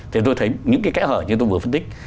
thì tôi thấy những cái kẽ hở như tôi vừa phân tích